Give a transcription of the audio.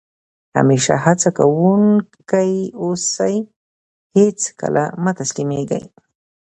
همېشه هڅه کوونکی اوسى؛ هېڅ کله مه تسلیمېږئ!